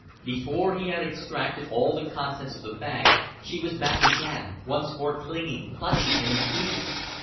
Before he had extracted all the contents of the bag she was back again, once more clinging, clutching, and impeding.